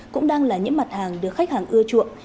cũng đang là những mặt hàng được khách hàng ưa chuộng